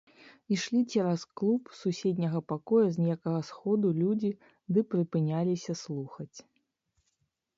Ішлі цераз клуб з суседняга пакоя з некага сходу людзі ды прыпыняліся слухаць.